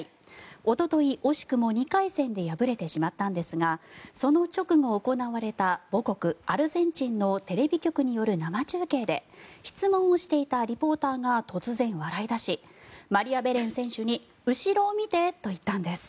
おととい、惜しくも２回戦で敗れてしまったんですがその直後行われた母国アルゼンチンのテレビ局による生中継で質問をしていたリポーターが突然、笑い出しマリアベレン選手に後ろを見てと言ったんです。